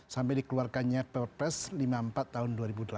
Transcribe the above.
sampai dikeluarkannya pp pres lima puluh empat tahun dua ribu delapan